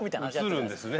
移るんですね。